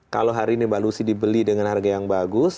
kalau hari ini mbak lucy dibeli dengan harga yang bagus